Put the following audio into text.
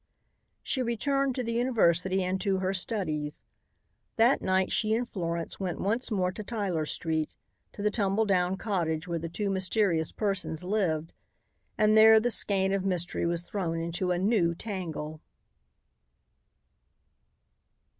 She returned to the university and to her studies. That night she and Florence went once more to Tyler street, to the tumble down cottage where the two mysterious persons lived, and there the skein of mystery was thrown into a new tangle.